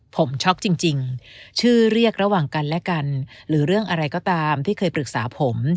ผมช็อกจริงชื่อเรียกระหว่างกันและกันหรือเรื่องอะไรก็ตามที่เคยปรึกษาผม